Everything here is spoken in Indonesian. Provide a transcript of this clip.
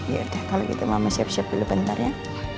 ya udah kalau gitu mama siap siap dulu sebentar ya